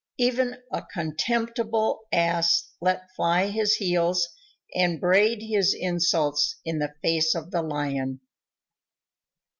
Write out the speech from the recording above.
Even a contemptible Ass let fly his heels and brayed his insults in the face of the Lion.